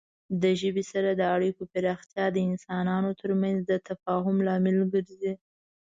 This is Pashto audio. د ژبې سره د اړیکو پراختیا د انسانانو ترمنځ د تفاهم لامل ګرځي.